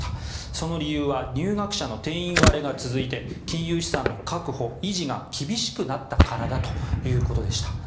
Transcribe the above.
その理由は入学者の定員割れが続いて金融資産の確保・維持が厳しくなったからだということでした。